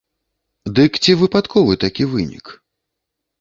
Дык ці выпадковы такі вынік?